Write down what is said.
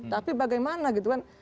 tapi bagaimana gitu kan